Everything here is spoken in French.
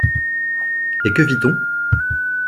Et que vit-on ?